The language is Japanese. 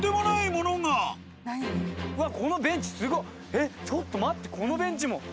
更にえっちょっと待ってこのベンチも。